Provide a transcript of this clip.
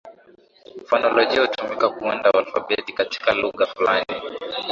Fonolojia hutumika kuunda alfabeti katika lugha fulani.